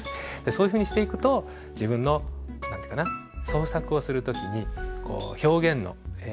そういうふうにしていくと自分の何て言うかな創作をする時に表現のコツがポケットにたまっていく。